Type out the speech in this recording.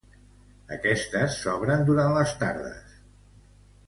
Aquestes s'obren durant les tardes.